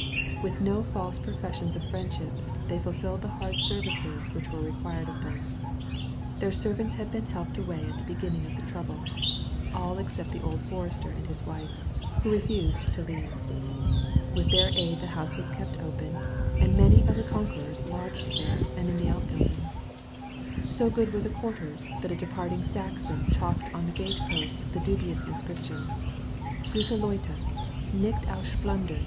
With no false pro fessions of friendship, they fulfilled the hard ser vices which were required of them. Their servants had been helped away at the beginning of the trouble — all except the old forester and his wife, who re fused to leave. With their aid the house was kept open and many of the conquerors lodged there and in the outbuildings. So good were the quarters that a departing Saxon chalked on the gate post the dubious inscription: "Gwte LeiUe — nicht ausplun dem.